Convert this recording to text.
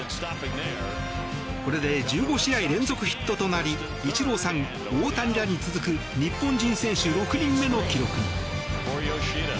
これで１５試合連続ヒットとなりイチローさん、大谷らに続く日本人選手６人目の記録。